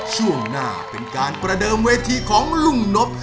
ช่วงหน้าเป็นการประเดิมเวทีของลุงนบ